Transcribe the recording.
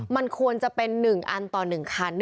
มันควรจะเป็น๑อันต่อ๑คัน